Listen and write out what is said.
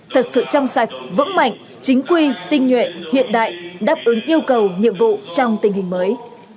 thật sự trong sạch vững mạnh chính quy tinh nhuệ hiện đại đáp ứng yêu cầu nhiệm vụ trong tình hình mới